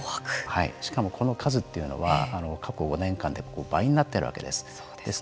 しかも、この数というのは過去５年間で倍になってるわけです。